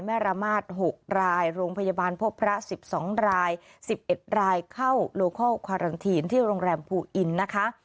แม่ระมาทหกรายโรงพยาบาลพบพระสิบสองรายสิบเอ็ดรายเข้าโลเคิลควารันทีนที่โรงแรมภูอินนะคะ